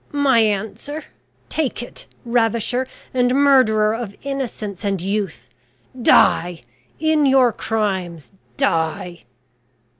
"My answer? Take it, ravisher and murderer of innocence and youth! Die! in your crimes Die!"